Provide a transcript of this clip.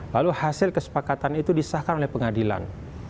lalu hasil kesepakatan itu disahkan oleh pengadilan